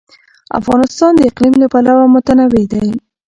افغانستان د اقلیم له پلوه متنوع دی.